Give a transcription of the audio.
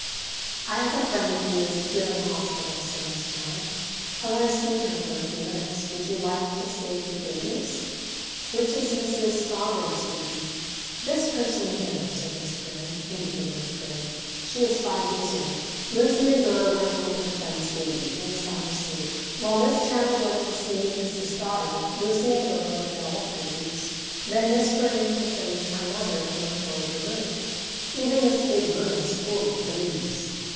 "I have a friend who is here in the hospital," said Miss Chandler. "I want to see her for a few minutes. Would you two like to stay with the babies? Which is Mrs. Stoddard's baby?" "This person here," said Miss Perrin, indicating a crib. "She is five days old." Lucy and Dora went to look at the friend's baby. It was sound asleep. While Miss Chandler went to see Mrs. Stoddard, Lucy and Dora looked at all the babies. Then Miss Perrin took them into another and much larger room. Even this big room was full of babies.